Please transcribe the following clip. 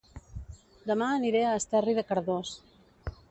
Dema aniré a Esterri de Cardós